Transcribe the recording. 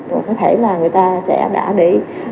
có thể là người ta sẽ đã để